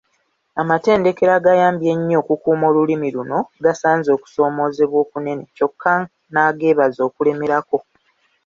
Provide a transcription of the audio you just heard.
Amatendekero agayambye ennyo okukuuma olulimi luno, gasanze okusoomoozebwa okunene kyokka n’ageebaza olw’okulemerako.